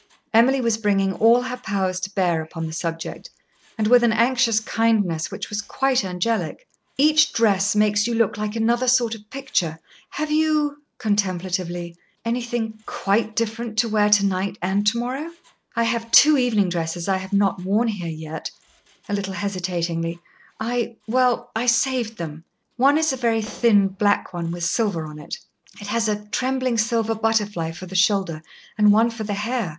Emily was bringing all her powers to bear upon the subject, and with an anxious kindness which was quite angelic. "Each dress makes you look like another sort of picture. Have you," contemplatively "anything quite different to wear to night and to morrow?" "I have two evening dresses I have not worn here yet" a little hesitatingly. "I well I saved them. One is a very thin black one with silver on it. It has a trembling silver butterfly for the shoulder, and one for the hair."